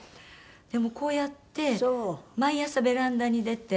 でもこうやって毎朝ベランダに出て。